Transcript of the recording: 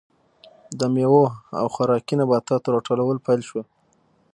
د میوو او خوراکي نباتاتو راټولول پیل شول.